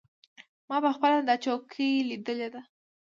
ما پخپله دا چوکۍ لیدلې ده.